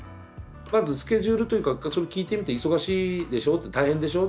まずスケジュールというかそれ聞いてみて「忙しいでしょ？」って「大変でしょ？